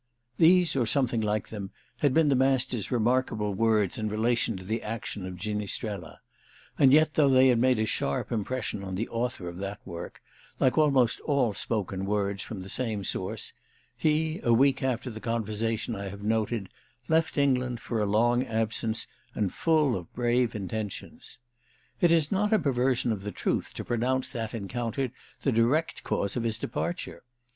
These or something like them had been the Master's remarkable words in relation to the action of "Ginistrella"; and yet, though they had made a sharp impression on the author of that work, like almost all spoken words from the same source, he a week after the conversation I have noted left England for a long absence and full of brave intentions. It is not a perversion of the truth to pronounce that encounter the direct cause of his departure.